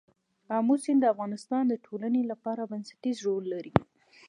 آمو سیند د افغانستان د ټولنې لپاره بنسټيز رول لري.